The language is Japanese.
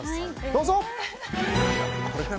どうぞ。